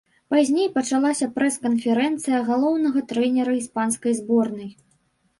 Пазней пачалася прэс-канферэнцыя галоўнага трэнера іспанскай зборнай.